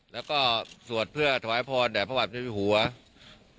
แล้วก็สวดเพื่อทวายภอดแดงพระบาทพิวร์